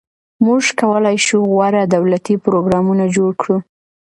موږ کولای شو غوره دولتي پروګرامونه جوړ کړو.